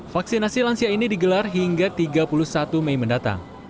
vaksinasi lansia ini digelar hingga tiga puluh satu mei mendatang